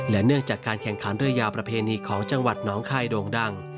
เนื่องจากการแข่งขันเรือยาวประเพณีของจังหวัดน้องคายโด่งดัง